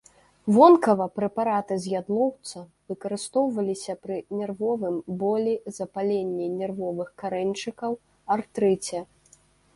Вонкава прэпараты з ядлоўца выкарыстоўваліся пры нервовым болі, запаленні нервовых карэньчыкаў, артрыце.